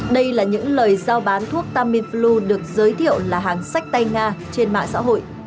đây là những lời giao bán thuốc tamiflu được giới thiệu là hàng sách tay nga trên mạng xã hội